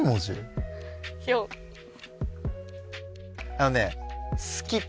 あのね。